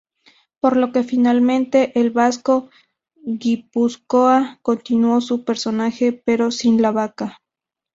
Por lo que finalmente, el Vasco Guipúzcoa continuó su personaje pero sin la vaca.